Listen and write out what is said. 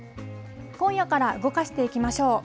今夜から動かしていきましょう。